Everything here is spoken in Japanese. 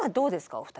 お二人。